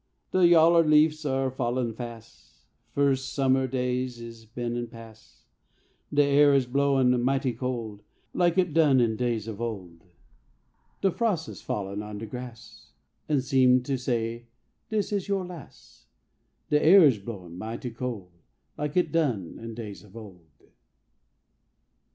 De yaller leafs are fallin' fas', Fur summer days is been an' pas'; The air is blowin' mighty cold, Like it done in days of old. De frost is fallin' on de gras' An' seem to say "Dis is yo' las'" De air is blowin' mighty cold Like it done in days of old.